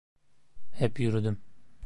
Hep yürüdüm.